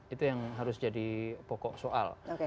itu yang harus jadi pokok soal